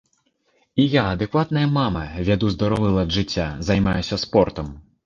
І я адэкватная мама, вяду здаровы лад жыцця, займаюся спортам.